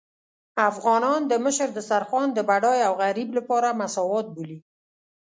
افغانان د مشر دسترخوان د بډای او غريب لپاره مساوات بولي.